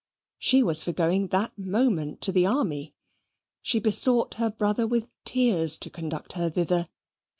She was for going that moment to the army. She besought her brother with tears to conduct her thither.